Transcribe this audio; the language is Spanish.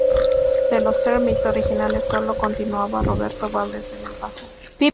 De Los Termit’s originales sólo continuaba Roberto Valdez en el bajo.